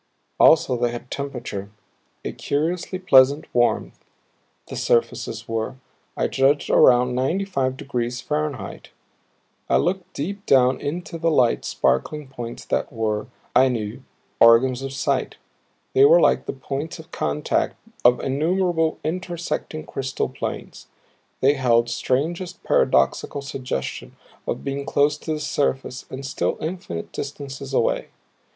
Also they had temperature, a curiously pleasant warmth the surfaces were, I judged, around ninety five degrees Fahrenheit. I looked deep down into the little sparkling points that were, I knew, organs of sight; they were like the points of contact of innumerable intersecting crystal planes. They held strangest paradoxical suggestion of being close to the surface and still infinite distances away.